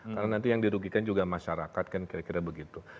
karena nanti yang dirugikan juga masyarakat kan kira kira begitu